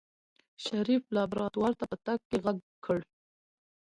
شريف لابراتوار ته په تګ کې غږ کړ.